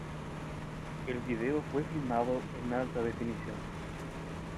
El video fue filmado en alta definición.